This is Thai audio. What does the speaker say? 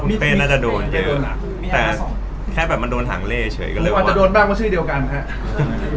คุณเต่นน่าจะโดนเกินมากแต่แค่แบบมันโดนหังเลเฉยก็เลยว่ามันอาจจะโดนบ้างเพราะชื่อเดียวกันแค่